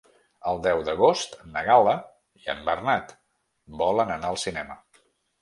El deu d'agost na Gal·la i en Bernat volen anar al cinema.